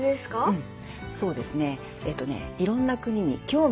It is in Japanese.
うん。